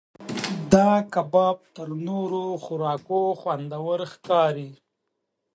دا کباب تر نورو خوراکونو خوندور ښکاري.